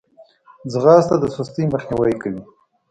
ځغاسته د سستي مخنیوی کوي